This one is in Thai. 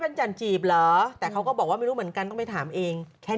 เพื่อนจะจีบละแต่เขาก็บอกว่าไม่รู้เหมือนกันไม่ถามเองแค่